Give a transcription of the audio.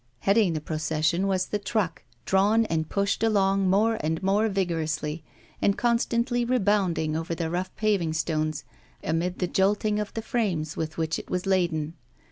Heading the procession was the truck, drawn and pushed along more and more vigorously, and constantly rebounding over the rough paving stones, amid the jolting of the frames with which it was laden.